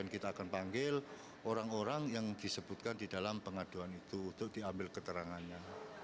kita akan panggil orang orang yang disebutkan di dalam pengaduan itu untuk diambil keterangannya